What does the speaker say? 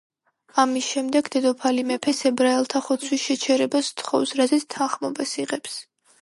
ამის შემდეგ, დედოფალი მეფეს ებრაელთა ხოცვის შეჩერებას სთხოვს, რაზეც თანხმობას იღებს.